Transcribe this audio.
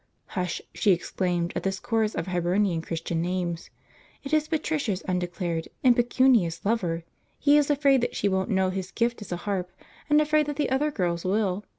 "Hush!" she exclaimed at this chorus of Hibernian Christian names, "it is Patricia's undeclared impecunious lover. He is afraid that she won't know his gift is a harp, and afraid that the other girls will.